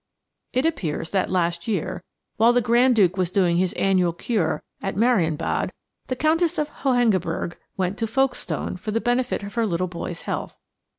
It appears that last year, while the Grand Duke was doing his annual cure at Marienbad, the Countess of Hohengebirg went to Folkestone for the benefit of her little boy's health.